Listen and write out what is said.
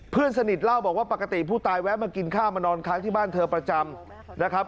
เพื่อนสนิทเล่าบอกว่าปกติผู้ตายแวะมากินข้าวมานอนค้างที่บ้านเธอประจำนะครับ